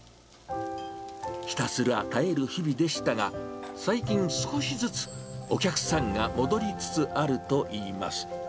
ひたすら耐える日々でしたが、最近、少しずつお客さんが戻りつつあるといいます。